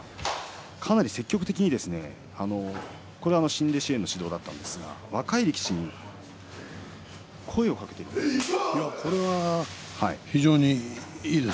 かなり積極的にこれは新弟子の指導があったんですが若い力士に声をかけているんです。